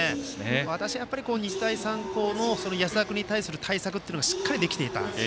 私、日大三高の安田君に対する対策がしっかりできていた。